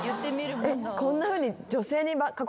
こんなふうに。